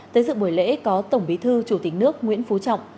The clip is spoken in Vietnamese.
tới dự buổi lễ có tổng bí thư chủ tịch nước nguyễn phú trọng